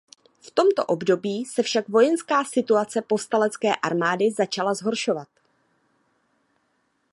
V tomto období se však vojenská situace povstalecké armády začala zhoršovat.